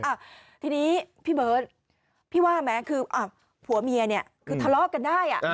อ่ะทีนี้พี่เบิร์ตพี่ว่าไหมคือผัวเมียเนี่ยคือทะเลาะกันได้อ่ะ